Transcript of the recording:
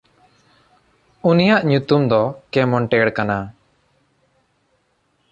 ᱩᱱᱤᱭᱟᱜ ᱧᱩᱛᱩᱢ ᱫᱚ ᱠᱮᱢᱚᱱᱴᱮᱲ ᱠᱟᱱᱟ᱾